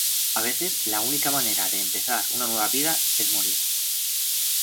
A veces, la única manera de empezar una nueva vida es morir.